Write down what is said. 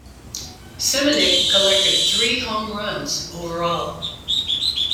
Seminick collected three home runs overall.